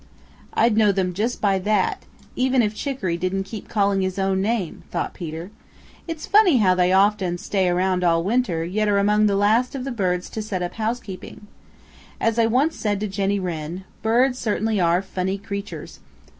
"I'd know them just by that, even if Chicoree didn't keep calling his own name," thought Peter. "It's funny how they often stay around all winter yet are among the last of all the birds to set up housekeeping. As I once said to Jenny Wren, birds certainly are funny creatures."